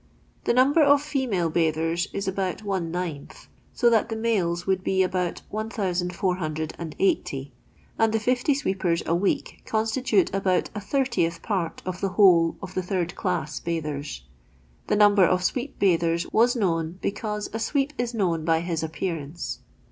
The number of female bathers is about one ninth, so that the males would be about 1 480 ; and the 50 sweepers a week constitute about a thirtieth part of the whole of the third class bathers. The number of sweep bathers was known because a sweep is known by his appearance.